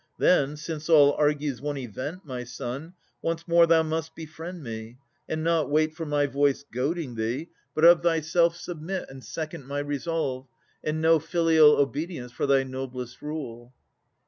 Then, since all argues one event, my son, Once more thou must befriend me, and not wait For my voice goading thee, but of thyself Submit and second my resolve, and know Filial obedience for thy noblest rule.